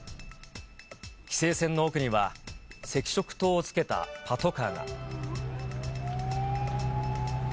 規制線の奥には、赤色灯をつけたパトカーが。